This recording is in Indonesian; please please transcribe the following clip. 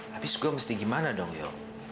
habis gue mesti gimana dong yo